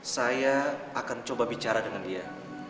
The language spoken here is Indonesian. saya akan coba bicara dengan dia